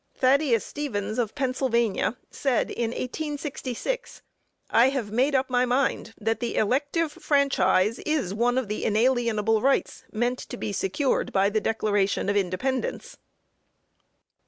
Thaddeus Stevens, of Pennsylvania, said in 1866: "I have made up my mind that the elective franchise is one of the inalienable rights meant to be secured by the declaration of independence."